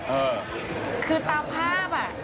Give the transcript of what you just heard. เออคือเตาะภาพ